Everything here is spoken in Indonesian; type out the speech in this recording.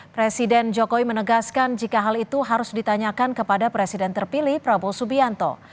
presiden jokowi menegaskan jika hal itu harus ditanyakan kepada presiden terpilih prabowo subianto